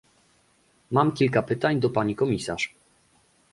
Mam kilka pytań do pani komisarz